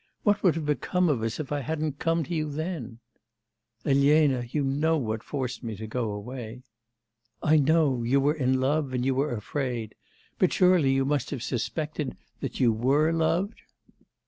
What would have become of us, if I hadn't come to you then!' 'Elena, you know what forced me to go away.' 'I know; you were in love, and you were afraid. But surely you must have suspected that you were loved?